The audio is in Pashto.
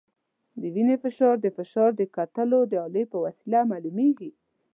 د وینې فشار د فشار د کتلو د الې په وسیله معلومېږي.